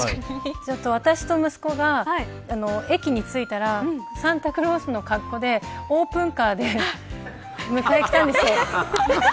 私と息子が駅に着いたらサンタクロースの格好でオープンカーで迎えに来たんですよ。